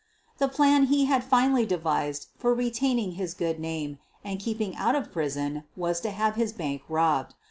The plan he had finally devised for retaining his good name and keeping out of prison was to have his bank robbed.